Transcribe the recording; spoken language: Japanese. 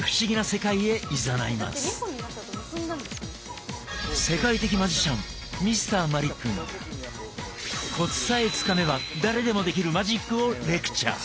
世界的マジシャンＭｒ．マリックがコツさえつかめば誰でもできるマジックをレクチャー。